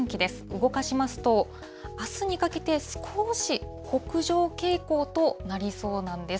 動かしますと、あすにかけて少し北上傾向となりそうなんです。